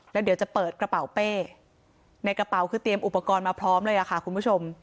แล้วเดี๋ยวจะเปิดกระเป๋าเป้ในกระเป๋าคือเตรียมอุปกรณ์มาพร้อมเลยค่ะคุณผู้ชม